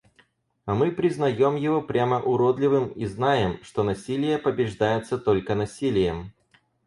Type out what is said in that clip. А мы признаем его прямо уродливым и знаем, что насилие побеждается только насилием.